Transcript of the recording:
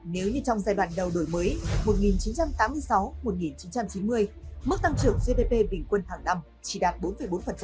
nếu như trong giai đoạn đầu đổi mới một nghìn chín trăm tám mươi sáu một nghìn chín trăm chín mươi mức tăng trưởng gdp bình quân hàng năm chỉ đạt bốn bốn